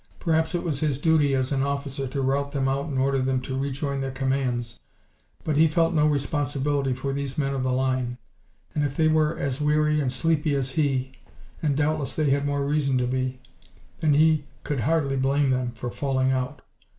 Perhaps it was his duty, as an officer, to rout them out and order them to rejoin their commands, but he felt no responsibility for these men of the line, and if they were as weary and sleepy as he and doubtless they had more reason to be then he could hardly blame them for falling out.